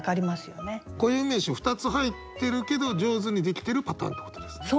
固有名詞２つ入ってるけど上手にできてるパターンってことですね。